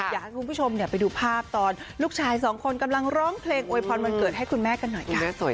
อยากให้คุณผู้ชมไปดูภาพตอนลูกชายสองคนกำลังร้องเพลงโวยพรวันเกิดให้คุณแม่กันหน่อยค่ะ